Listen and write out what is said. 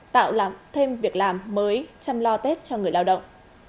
tạo làm thêm việc làm mới chăm lo tết cho người lao động